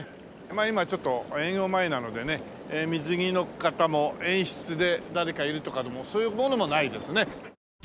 まあ今はちょっと営業前なのでね水着の方も演出で誰かいるとかでもそういうものもないですね。